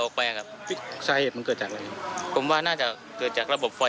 โน้ทไว้ผมว่าแน่นว่าจะเกิดจากระบบไฟ